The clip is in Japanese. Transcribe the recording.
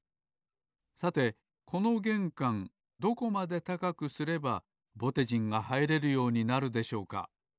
さてこのげんかんどこまで高くすればぼてじんがはいれるようになるでしょうか？